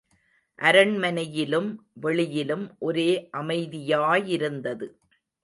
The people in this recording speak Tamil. அரண்மனையிலும் வெளியிலும் ஒரே அமைதியாயிருந்தது.